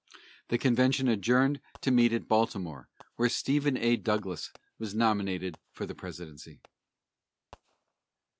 The convention adjourned to meet at Baltimore, where Stephen A. Douglas was nominated for the presidency.